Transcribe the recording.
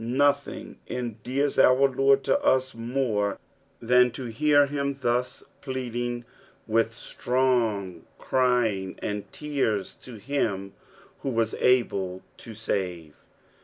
Nothing endears our Lord to us more than tu hear him thus pleading with strong crying and tears to him who was able to save.